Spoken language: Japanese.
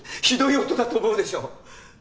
ひどい夫だと思うでしょ？